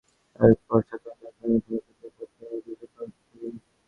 এরপর ছাত্র আন্দোলন সংগঠিত হতে থাকার পাশাপাশি মৃত্যুর সারিও দীর্ঘতর হতে থাকে।